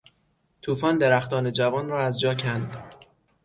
توفان درختان جوان را از جا کند.